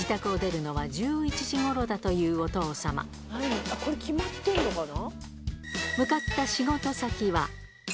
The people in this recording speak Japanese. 毎日決まってるのかな。